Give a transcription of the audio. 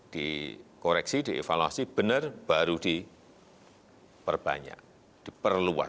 dikoreksi dievaluasi benar baru diperbanyak diperluas